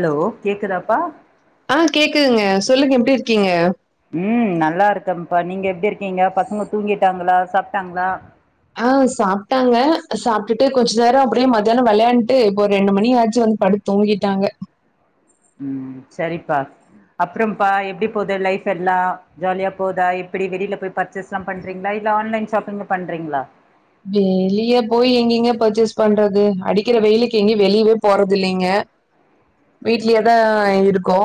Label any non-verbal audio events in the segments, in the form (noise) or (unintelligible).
hello கேக்குதாப்பா ஆ கேக்குதுங்க சொல்லுங்க எப்டி இருக்கீங்க ம் நல்லா இருக்கம்ப்பா நீங்க எப்டி இருக்கீங்க பசங்க தூங்கிட்டாங்ளா சாப்ட்டாங்ளா ஆ சாப்ட்டாங்க சாப்ட்டுட்டு கொஞ்ச நேரோ அப்டியே மத்தியானோ வெளையாண்ட்டு இப்போ ஒரு ரெண்டு மணி ஆச்சு வந்து படுத் தூங்கிட்டாங்க ம் செரிப்பா அப்புறம்ப்பா எப்டி போது லைஃப் எல்லா ஜாலியா போதா எப்டி வெளில போய் பர்ச்சேஸ்ல்லா பண்றீங்ளா இல்ல ஆன்லைன் ஷாப்பிங்கு பண்றீங்ளா வெளிய போய் எங்கிங்க பர்ச்சேஸ் பண்றது அடிக்கிற வெயிலுக்கு எங்கியு வெளிய்வே போறதில்லைங்க வீட்லயே தா இருக்கோ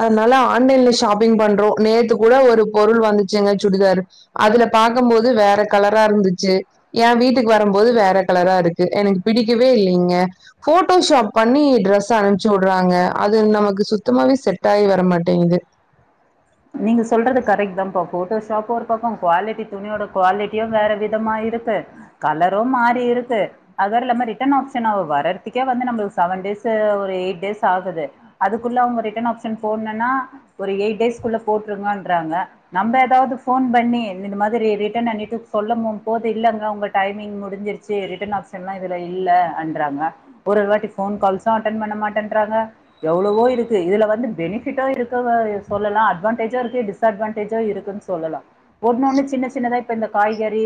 அதனால ஆன்லைன்ல ஷாப்பிங் பண்றோ நேத்து கூட ஒரு பொருள் வந்துச்சிங்க சுடிதார் அதுல பாக்கம்போது வேற கலரா இருந்து ச்சி ஏ வீட்டுக்கு வரம் போது வேற கலரா இருக்கு எனக்கு பிடிக்கவே இல்லீங்க போட்டோ ஷாப் பண்ணி ட்ரெஸ் அனுப்ச்சு உட்றாங்க அது நமக்கு சுத்தமாவே செட் ஆகி வர மாட்டேங்குது நீங்க சொல்றது கரெக்ட் தாம்ப்பா போட்டோ ஷாப்பு ஒரு பக்கோ குவாலிட்டி துணியோட குவாலிட்டியு வேற விதமா இருக்கு து கலரு மாறியிருக்கு அதர்ல்லாம ரிட்டர்ன் ஆப்ஷன் வரர்திக்கே வந்து நம்மளுக் செவன் டே ஸு ஒரு எயிட் டேஸ் ஆகுது அதுக்குள்ள அவுங்க ரிட்டர்ன் ஆப்ஷன் போட்னன்னா ஒரு எயிட் டேஸ் குள்ள போட்டிருங்கன்றாங்க நம்ம ஏதாவ்து போன் பண்ணி இந்தந்த மாத்ரி ரிட்டன்னனிட்டு சொல்லும் போம் போ து இல்லங்க உங்க டைமிங் முடிஞ்சிருச்சு ரிட்டர்ன் ஆப்ஷன்லா இதுல இல்ல அன்றாங்க ஒரு வாட்டி போன் கால்சு அட்டன் பண்ண மாட்டேன்றாங்க எவ்ளவோ இருக்கு இதுல வந்து பெனிபிட்ட இருக்கவா சொல்லலா அ அட்வான்டேஜு இருக்கு டிஸ் அட்வான்டேஜு இருக்குன் சொல்லலா ஒன்னொன்னு சின்ன சின்னதா இப்ப இந்த காய்கறி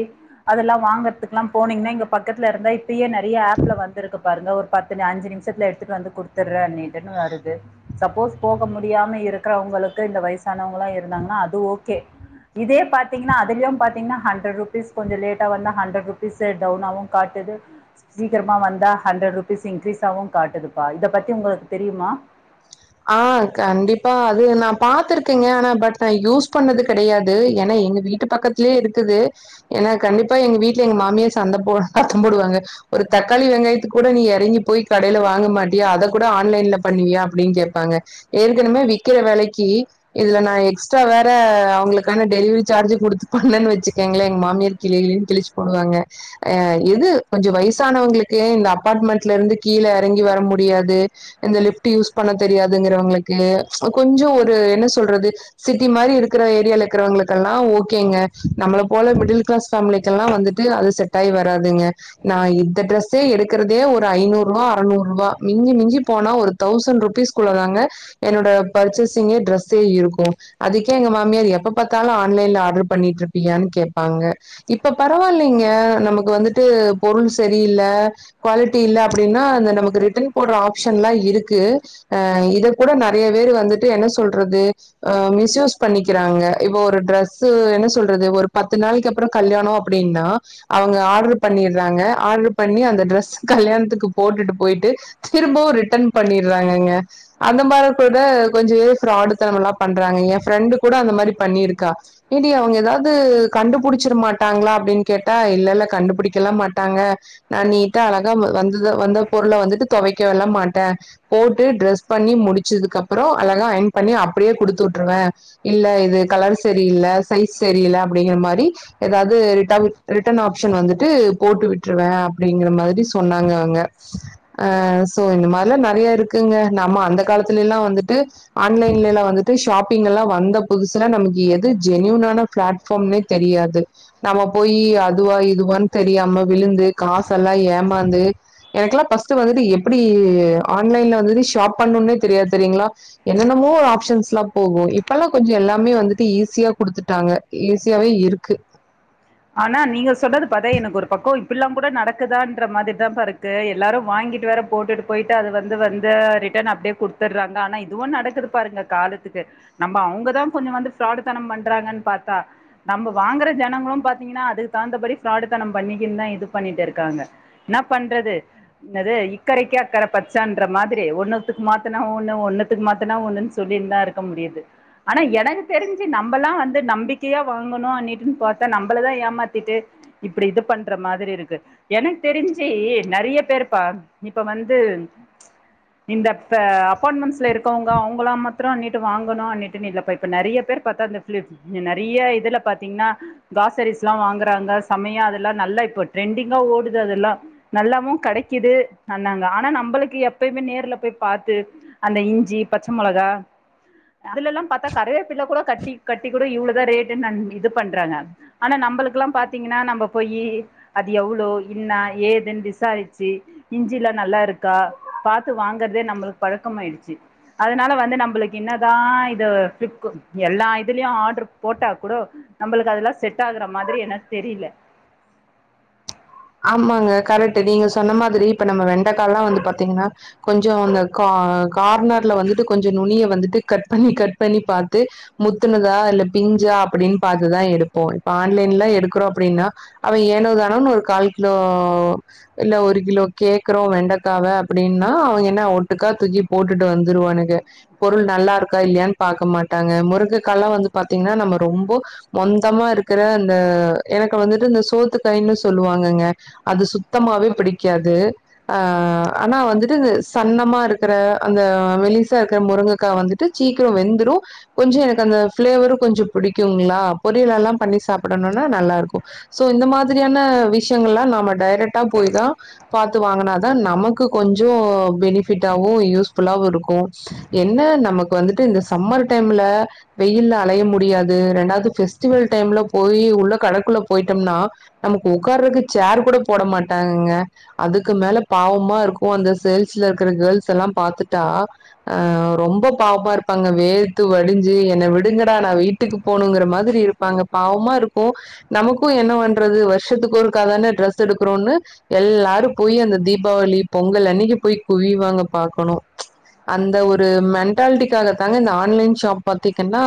அ ல்லாம் வாங்கறதுக்குல்லாம் போனீங்கன்னா இங்க பக்கத்து இருந்தே இப்பயே நறைய ஆப்ல வந்துருக்கு பாருங்க ஒரு பத்து அஞ்சு நிமிஷத் லா எடுத்துட்டு வந்து கொடுத்துடுறேன்னிட்டு வருது சப்போஸ் போக முடியாம இருக்கிறவங்களுக்கு இந்த வயச சனவங்களா இருந்தாங்கன்னா அது ஓகே இதே பாத்தீங்கன்னா அதிலயும் பாத்திங்கன்னா ஹண்ட்ரட் ருப்பீஸ் கொஞ்சோ லேட்டா வந்தா ஹன்ட்ரட் ருபீஸ் டவுனாவும் காட் சீக்கிரமா வந்தா ஹண்ட்ரட்ருபீஸ் இன்கிரீஸ்சாவும் காட்டுதுப்பா இத பத்தி உங்களுக்கு தெரியுமா ஆ கண்டிப்பா அது நான் பா்த்திருக்கேங்க ஆனா பட் நான் யூஸ் பண்ணது கெடையாது ஏனா எங்க வீட்டு பக்கத்துலேயே இருக்குது ஏனா கண்டிப்பா எங்க வீட்டுல எங்க மாமியா சண்ட போ சத்தம் போடுவாங்க ஒரு தக்காளி வெங்காயத்துக்கு கூட நீ இறங்கி போய் கடையில வாங்க மாட்டியா அதை கூட ஆன்லைன்ல பண்ணுவியா அப்படின்னு கேப் பாங்க ஏற்கனவே விக்கிற வேலைக்கு இதுல நா எக்ஸ்ட்ரா வேற அவங்களுக்கான டெலிவரி சார்ஜ் சார்ஜ் கொடுத்து பண்ணன்னு வச்சுக்கேங்களன் எங்க மாமியார் கிழி கிழி னு கிழச்சு போடுவாங்க இது கொஞ்சோ வயசு சானவங்களுக்கு இந்த அபார்ட்மெண்ட்ல இருந்து கீழே இறங்கி வர முடியாது இந்த லிப்ட் யூஸ் பண்ண தெரியாதுங்கறவங்களுக்கு கொஞ்சோ ஒரு என்ன சொல்றது சிட்டி மாரி இருக்கிற ஏரியால இருக்கிறவங்க ஓகேங்க நம்மள போல மிடில் கிளாஸ் பேமிலிக்கெல்லாம் வந்துட்டு அது செட் ஆகி வராதுங்க ந இந்த டிரஸ்ஸே எடுக்கிறதே ஒரு ஐநூறு ரூபா அறுநூறு ரூபா மி்ஞ்சி மிஞ்சி போனா ஒரு தௌசண்ட் ருபீஸ் குள்ள தாங்க என்னோட பர்ச்சேசிங்கே டிரஸே இருக்கும் அதுக்கே எங்க மாமியார் எப்ப பார்த்தாலும் ஆன் லைன்ல ஆர்டர் பண்ணிட்டு இருப்பியனு கேடப்பாங்க இப்ப பரவாயில்லைங்க நமக்கு வந்துட்டு பொருள்ஸ் சரியில்ல குவாலிட்டி இல்ல அப்படின்னா அந்த நமக்கு ரிட்டர்ன் போடுற ஆப்ஷன் எல்லாம் இருக்கு ஹ இத கூட நிறைய பேர் வந்துட்டு என்ன சொல்றதுஹ மிஸ்யூஸ் பண்ணிக்கிறாங்க இப்போ ஒரு ட்ரெஸ் என்ன சொல்றது ஒரு பத்து நாளைக்கு அப்ரோ கல்யாணம் அப்படின்னா அவங்க ஆடர் பண்ணிறாங்க ஆர்டர் பண்ணி அந்த ட்ரெஸ் கல்யாணத்துக்கு போட்டுட்டு போயிட்டு திரும்பவும் ரிட்டர்ன் பண்ணிறாங்கங்க அந்த மாதிரி கூட கொஞ்சம்வே ஃப்ராடு தனமலாம் பண்றாங்க எ ஃப்ரெண்டு கூட அந்த மாரி பண்ணியிருக்கா ஏன்டி அவங்க ஏதாவது கண்டுபிடிச்சிட மாட்டாங்களா அப்படின்னு கேட்டா இல்லல்ல கண்டுபிடிக்கலாம் மாட்டாங்க நான் நீட்டா அழகா வந்த வந்த பொருளை வந்துட்டு துவைக்க வில்ல மாட்டேன் போட்டு ட்ரெஸ் பண்ணி முடிச்சதுக்கு அப்ரோ அழகா அயன் பண்ணி அப்படியே குடுத்துவுட்டுருவ இல்ல இது கலர் சரி இல்ல சைஸ் தெரியல அப்படிங்கிற மாரி ஏதாவது ரிட்டமி ரிட்டன் ஆப்ஷன் வந்துட்டு போட்டு விட்டுருவேன் அப்படிங்கற மாதிரி சொன்னாங்க அவங்க ஆ சோ இந்த மாதிரிலாம் நறைய இருக்குங்க நம்ம அந்த காலத்துல எல்லாம் வந்துட்டு ஆன்லைன்ல எல்லாம் வந்துட்டு ஷாப்பிங் எல்லாம் வந்த புதுசுல நமக்கு எது ஜென்யூனான பிளாட்பார்ம்னே தெரியாது நம்ம போய் அதுவா இதுவான்னு தெரியாம விழுந் ந்து காச எல்லாம் ஏமாந்து எனக்குெல்லாம் பர்ஸ்ட் வந்துட்டு எப்படி ஆன்லைன்ல வந்துட்டு ஷி ப் பண்ணும்னே தெரியாது தெரியங்களா என்னென்னமோ ஆப்ஷன்ஸ்ல்லாம் போகும் இப்பெல்லாம் கொஞ்சோ எல்லாமே வந்துட்டு ஈஸி தியா குடுத்துட்டாங்க ஈஸியாவே இருக்கு உ ஆனா நீங்க சொன்னது பாத்தா எனக்கு ஒரு பக்கம் இப்படில்லாம் கூட நடக்குதான்ற மாதிரி தான் பா இருக்கு எல்லாரும் வாங்கி ட்டு போட்டுட்டு போயிட்டு அது வந்து வந்து ரிட்டர்ன் அப்படியே கொடுத்துடுறாங்க ஆனா இதுவும் நடக்குது பாருங்க காலத்து இருக்கு நம்ம அவங்க தான் கொஞ்சோ வந்து பிராடு தனம் பண்றாங்கன்னு பார்த்தா நம்ம வாங்குற ஜனங்களும் பாத் யிங்கானா அதுக்கு தகுந்தபடி பிராடு தனம் பண்ணிக்கனு தான் இது பண்ணிட்டு இருக்காங்க என்ன பண்றது இக்கறைக்கு அக்கற பச்ச என்ற மாதிரி ஒன்னுத்துக்கு மாத்தனா ஒன்னு ஒன்னுக்கு மாத்தனா ஒன்னு சொல்லி தான் இருக்கும் முடியது ஆனா எனக்கு தெரிஞ்சு நம்மல்லாம் வந்து நம்பிக்கையா வாங்கணும் அனு பார்த்தா நம்ம தான் ஏமாத்திட்டு இப்படி இது பண்ற மாதிரி இருக்கு எனக்கு தெரிஞ்சு நிறைய பேர் பா இப்ப வந்து இந்த அப்பார்மெண்ட்ஸ்ல இருக்கவங்க அவங்கள மாத்தம்ட்டு வாங்கணும் அட்டு இல்லப்ப இப்ப நறைய பேர் பா்த்தா அந்த ஃபிளிஃப் நறைய இதுல பாத்தீங்கன்னா க்ராசரிஸ் எல்லாம் வாங்குறாங்க சமையா அதெல்லாம் நல்லா இப்போ ட்ரெண்டிங்கா ஓடுது அதெல்லாம் நல்லாவும் கடை குது அந்தாங்க ஆனா நம்மளுக்கு எப்பயுமே நேர்ல போய் பார்த்து அந்த இஞ்சி பச்சை மிளகா இதுலல்லாம் பாத்தா கரவேப்பிள்ள கூட கட்டி கட்டி கூட இவ்ளவுதான் ரேட்டு இது பண்றாங்க ஆனா நம்மளுக்குெல்லாம் பாத்தீங்கன்னா நம்ம போயி அது எவ்வளோ இன்னா ஏதுன்னு விசாரிச்சு இஞ்சிலா நல்லா இருக்கா பாத்து வாங்கறதே நம்மளுக்கு பழக்கம் ஆயிடுச்சு அதனால வந்து நம்மளுக்கு என்னதான் இது ஃபிளிக் எல்லா இதுலயும் ஆர்டர் போட்டா கூட நம்மளுக்கு அதெல்லாம் செட் ஆகுற மாதிரி எனக்கு தெரியல ஆமாங்க கரெக்ட் நீங்க சொன்ன மாதிரி இப்ப நம்ம வெண்டைக்கால்லாம் வந்து பாார்த்தீங்கன்னா கொஞ்சோ அந்த கா கார்னர்ல வந்துட்டு கொஞ்சம் நுனிய வந்துட்டு கட் பண்ணி கட் பண்ணி பார்த்து முத்துனதா இல்ல பிஞ்சு அப்டின்னு பார்த்து தான் எடுப்போம் இப்ப ஆன்லைன்ல எடுக்கிறோம் அப்படின்னா அவ ஏனோதானோனு கால் கிலோ இல்ல ஒரு கிலோ கேக்குறோம் வெண்டைக்காவ அப்டின்னா அவங்க என்ன ஓட்டுக்கா தூக்கி போட்டுட்டு வந்துருவானுங்க பொருள் நல்லா இருக்கா இல்லையான்னு பார்க்க மாட்டாங்க முருங்கைக்காலாம் வந்து பார் த்தீங்கன்னா நம்ம ரொம்ப மொந்தமா இருக்கிற அந்த எனக்கு வந்துட்டு இந்த சோத்துக்காய்னு சொ ல்லுவாங்கங்க அது சுத்தமாவே பிடிக்காது ஆனா வந்துட்டு சன்னா மா இருக்கிற அந்த மெலிசா இருக்கிற முருங்கைக்க வந்துட்டு சீக்கிரம் வெந்துடும் கொஞ்சம் எனக்கு அந்த ப (unintelligible) கொஞ்சம் பிடிக்கும்ங்களா பொரியல்லாம் பண்ணி சாப்பிடணும்னா நல்லா இருக்கும் சோ இந்த மாதிரியான ன்னா விஷயங்கள்ல்லாம் நாம டைரக்ட்டா போய் தான் பாத்து வாங்கனாதான் நமக்கு கொஞ்சம் பேணிபிட்டாவும் யூஸ்புல்லாவும் இருக்கும் என்ன நமக்கு வந்துட்டு இந்த சம்மர் டைம்ல வெயில் அலைய முடியாது ரெண்டாவது பெஸ்டிவல் டைம்ல போய் உள்ள கடக்குள்ள போயிட்டோம்னா நமக்கு உட்கார்றதுக்கு சேர் கூட போட மாட்டாங்கங்க அதுக்கு மேல பாவமா இருக்கும் அந்த சேல்ஸ்ல இருக்கிற கேர்ள்ஸ்லாம் பாத்துட்டா ரொம்ப பாவமா இருப்பாங்க வேர்த்து வடிஞ்சு என் விடுங்கடா நான் வீட்டுக்கு போனுங்கிற மாதிரி இருப்பாங்க பாவமா இருக்கும் நமக்கும் என்ன பண்றது வரு வருஷத்துக்கு ஒருக்காதனே டிரெஸ் எடுக்கிறோம்னு எல்லாரும் போய் அந்த தீபாவளி பொங்கல் அன்னைக்கு போய் குவி வியூவாங்க பாக்கணும் அந்த ஒரு மென்டாலிட்டிக்காகத்தாங்க இந்த ஆன்லைன் ஷாப் பாத்தீங்கன்னா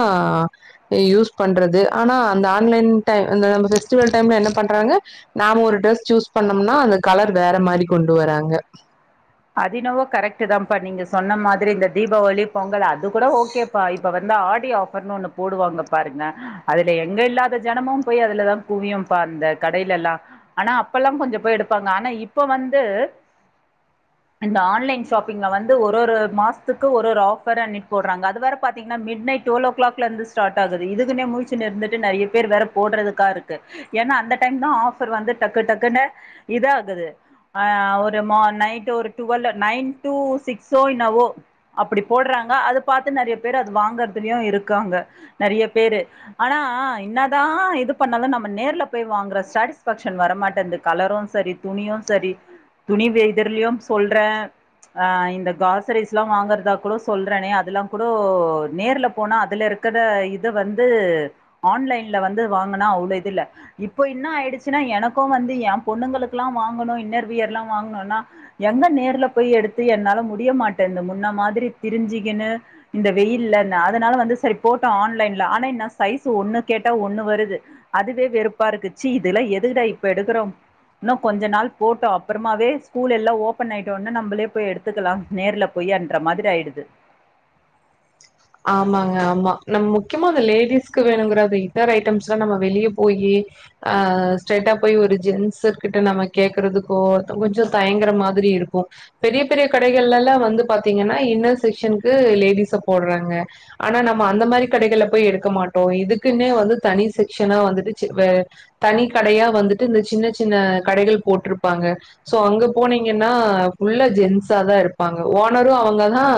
யூஸ் பண்றது ஆனா அந்த ஆன்லைன் டைம்ல பெஸ்டிவல் டைம்ல என்ன பண்றாங்க நாம ஒரு டிரெஸ் சூஸ் பண்ணோம்னா அந்த கலர் வேற மாதிரி கொண்டு வராங்க அதயென்னவோ கரெக்ட் தான்ப்பா நீங்க சொன்ன மாதிரி இந்த தீபாவளி பொங்கல் அது கூட ஓகேப்பா இப்ப வந்து ஆடி ஆஃபர் ஒண்ணு போடுவாங்க பாருங்க அதுல எங்க இல்லாத ஜனமும் போய் அதுல தான் குவியும் பாருங்க இந்த கடையிலலாம் ஆனா அப்பெல்லாம் கொஞ்சம் போய் எடுப்பாங்க ஆனா இப்ப வந்து இந்த ஆன்லைன் ஷாப்பிங்ல வந்து ஒரு ஒரு மாசத்துக்கு ஒரு ஒரு ஆஃபர் அண்ணிக்கு போறாங்க அதுவரை பாத்தீங்கன்னா மிட் நைடு டுவெல்ஓ கிளாக்ல இருந்து ஸ்டார்ட் ஆகுது இதுகுனே முழிச்சின்னு இருந்துட்டு நிறைய பேர் வேற போடுறதுக்காக இருக்கு என அந்த டைம் தான் ஆஃபர் வந்து டக்கு டக்குன்ன இதுஆகுது ஆ ஒரு நைட் ஒரு டுவல் நைன் டூ சிக்ஸ்சோ என்னவோ அப்படி போடுறாங்க அது பாத்து நெறைய பேர் அது வாங்க ங்கறிறதுலும் இருக்காங்க நிறைய பேரு ஆனா என்னதான் இது பண்ணாலும் நம்ம நேர்ல பேய் வாங்கற சாட்டிஸ்பேக்ஷன் வரமாட்டேன்து கலரும் சரி துணியும் சரி துணி வேதிர்லயும் சொல்றேன் ஆஹ் இந்த கிராசரிஸ் எல்லாம் வாங்கறதா கூட சொல்றேனே அதெல்லாம் கூட நேர்ல போனா அதுல இருக்க இருக்கிறத இத வந்து ஆன்லைன்ல வந்து வாங்கினா அவ்ளவு இது இல்ல இப்ப என்ன ஆயிடுச்சுன்னா எனக்கும் வந்து என் பொண்ணுங்களுக்குெல்லாம் வாங்கணும் இன்னர் வியர் எல்லாம் வாங்கணும்னா எங்க நேர்ல போய் எடுத்து என்னால முடிய மாட்டேனுது இந்த முன்ன மாதிரி திரிஞ்சுக்கனு இந்த வெயில் அதனால வந்து சரி போட்டோம் ஆன்லைன்ல ஆனா என் சைஸ் ஒண்ணு கேட்டா ஒண்ணு வருது அதுவே வெறுப்ப பா இருக்கு ச்சீ இதுல எதுகுடா இப்ப எடுக்கிறோம் இன்னும் கொஞ்ச நாள் போட்டோம் அப்புறமாவே ஸ்கூல் எல்லாம் ஓப்ப பன் ஆயிட்டோனி நம்பளே போய் எடுத்துக்கலாம் நேர்ல போய்ன்ற மாதிரி ஆயிடுது ஆமாங்க ஆமா நம்ம முக்கியமா அந்த லேடிஸ்க்கு வேணுங்கிற அ இன்னர் ஐட்டம்ஸ் எல்லாம் நம்ம வெளியே போயி ஆஹ் ஸ்ட்ரைட்டா போய் ஒரு ஜென்ஸ்கிட்ட நம்ம கேக்குறதுக்கோ கொஞ்சம் தயங்கர மாதிரி இருக்கும் பெரிய பெரிய கடைகள்லல்ல வந்து பாத்தீங்கன்னா இன்னர் செக்க்ஷனுக்கு லேடிஸ போடுறே றாங்க ஆனா நம்ம அந்த மாதிரி கடைகள்ல போயி எடுக்க மாட்டோம் இதுக்குன்னே வந்து தனி செக்க்ஷனா வந்துட்டு தனி கடையா வந்துட்டு இந்த சின்ன சின்ன கடைகள் போட்டிருப்பாங்க சோ அங்க போனீங்கன்ன னா புல்லா ஜென்ஸ்ஸா தான் இருப்பாங்க ஓனரும் அவங்க தான்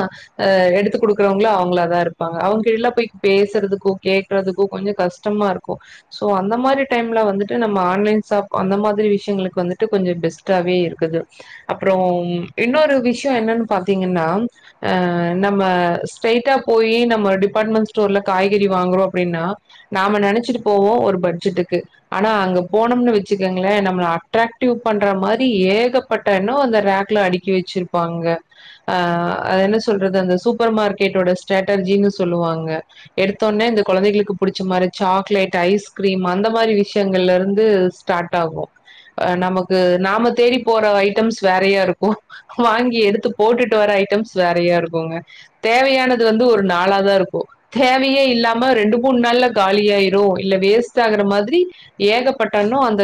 எடுத்து கொடுக்கறவங்களு அவ ளா தான் இருப்பாங்க அவங்க கிட்டாலம் போய் பேசுறதுக்கும் கேக்குறதுக்கும் கொஞ்சம் கஷ்டமா இருக்கும் சோ அந்த மாதிரி மாரி டைம்ல வந்துட்டு நம்ம ஆன்லைன் ஷாப் அந்த மாதிரி விஷயங்களுக்கு வந்துட்டு கொஞ்சம் பெஸ்ட்டாவே இருக்குது அப்புறம் இன்னொரு விஷயம் என்னன்னு பாத்தீங்கன்னா அஹ் நம்ம ஸ்ட்ரைட்டா போயி நம்ம ஒரு டிபார்ட்மெண்ட் ஸ்டோர்ல காய்கறி வாங்குறோம் அப்படின்னா நாம நினைச்சிட்டு போவோம் ஒரு பட்ஜெட்டுக்கு ஆனா அங்க போனம்னு வச்சுக்கங்களேன் நம்ம அட்ராக்டிவ் பண்ற மாதிரி ஏகப்பட்ட ன்னு அந்த ராக்ல அடிக்கி வச்சிருப்பாங்க அ அது என்ன சொல்றது அந்த சூப்பர் மார்க் கேட்டோட ஸ்ட்ராட்டர்ஜின்னு சொல்லுவாங்க எடுத்தோனே இந்த குழந்தைகளுக்கு புடிச்ச மாதிரி சாக்லேட் ஐஸ் கிரீம் அந்த மாதிரி விஷயங்கள்ல இருந்து ஸ்டார்ட் ஆகும் நமக்கு நாம தேடி போற ஐட்டம்ஸ் வேறையா இருக்கு வாங்கி எடுத்து போட்டுட்டு வர ஐட்டம்ஸ் வேறையா இருக்குங்க தேவையானது வந்து ஒரு நாளா தா இருக்குன் தேவையே இல்லாம ரெண்டு மூணு நாள்ல காலியாயிரு இல்ல வேஸ்ட் ஆகுற மாதிரி ஏகப்பட்டன்னு அந்த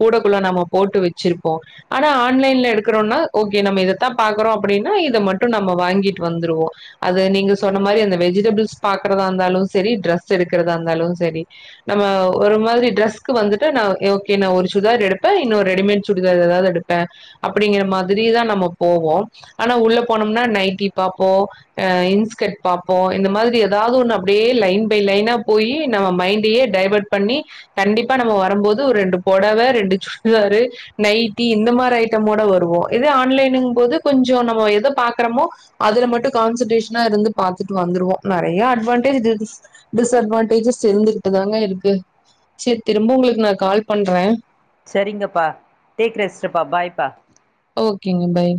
கூடக்குள்ள நாம போட்டு வச்சிருப்போ ஆனா ஆன்லைன்ல எடுக்குறோன்னா ஓகே நம்ம இதத்தா பாக்குறோ அப்டினா இத மட்டு நம்ம வாங்கிட்டு வந்துருவோ அது நீங்க சொன்ன மாரி அந்த வெஜிடபிள்ஸ் பாக்கறதா ந்தாலு செரி ட்ரெஸ் எடுக்கறதா ந்தாலு செரி நம் அ ஒரு மாரி ட்ரெஸ்க்கு வந்துட்டு நா ஓகே நா ஒரு சுடிதார் எடுப்பேன் இன்னு ரெடிமேட் சுடிதார் ஏதாது எடுப்பேன் அ அப்டிங்குற மாதிரிதா நம்ம போவோ ஆனா உள்ள போனம்னா நைட்டி பாப்போ அ இன்ஸ்கட் பாப்போ இந்த மாதிரி எதாவ்து ஒண்ணு அப்டியே லைன் பை லைனா போயி நம்ம மைண்டியே டைவர்ட் பண்ணி கண்டிப்பா நம்ம வரம்போது ஒரு ரெண்டு பொடவ ரெண்டு சுடிதாரு நைட்டி இந்த இது மார் ஐட்டமோட வருவோ இத ஆன்லைனுங்போது கொஞ்சோ நம்ம எத பாக்கறமோ அதுல மட்டு கான்சன்ட்ரேஷ்னா இருந்து பாத்துட்டு வந்துருவோ நெறைய அட்வான்டேஜ் டிஸ் டிஸ் அட்வான்டேஜஸ் இருந்துகுட்டு தாங்க இருக்கு சேர் திரும்ப உங்ளுக்கு நா கால் பண்றென் செரிங்கப்பா டேக் ரெஸ்டுப்பா பாய்ப்பா ஓகேங்க பாய்